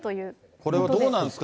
これはどうなんですか？